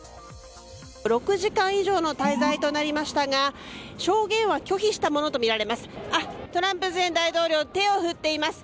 ６時間以上の滞在となりましたが証言を拒否したものとみられます。